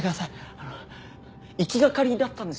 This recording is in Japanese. あの行きがかりだったんです。